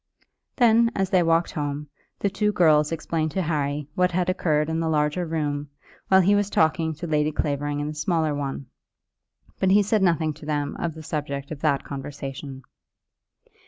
Then, as they walked home, the two girls explained to Harry what had occurred in the larger room, while he was talking to Lady Clavering in the smaller one. But he said nothing to them of the subject of that conversation.